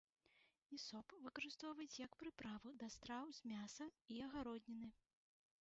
Ісоп выкарыстоўваюць як прыправу да страў з мяса і агародніны.